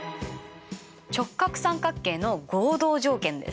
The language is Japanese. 直角三角形の合同条件です！